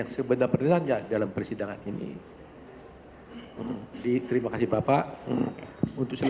saksi dengan saiful